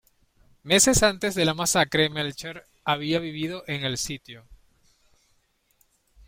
Meses antes de la masacre, Melcher había vivido en el sitio.